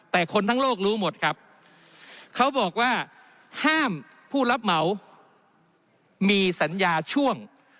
แต่คนทั้งโลกรู้หมดครับเขาบอกว่าห้ามผู้รับเหมามีสัญญาช่วง